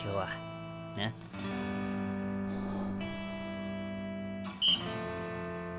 はあ！？